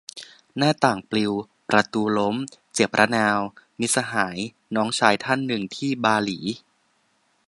หน้าต่างปลิว ประตูล้ม เจ็บระนาว - มิตรสหายน้องชายท่านหนึ่งที่บาหลี